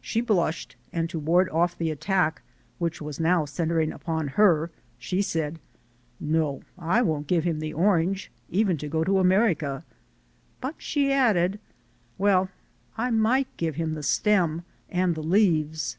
She blushed, and to ward HOME! 305 off the attack which was now centering upon her, she said: "No, I won't give him the orange, even to go to America," but she added: "Well, I might give him the stem and the leaves."